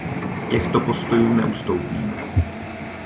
Z těchto postojů neustoupíme.